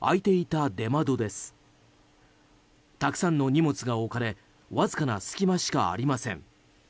たくさんの荷物が置かれわずかな隙間しかありません。